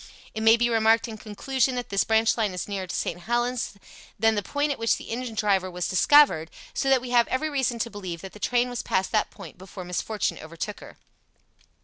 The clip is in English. It may be remarked in conclusion that this branch line is nearer to St. Helens than the point at which the engine driver was discovered, so that we have every reason to believe that the train was past that point before misfortune overtook her.